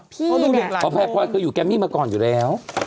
พี่เนี่ยเพราะแพร่พอยเคยอยู่แกมมี่มาก่อนอยู่แล้ว